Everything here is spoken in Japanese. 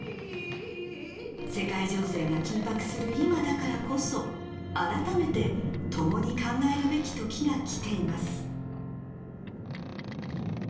世界情勢が緊迫する今だからこそ、改めて共に考えるべき時がきています。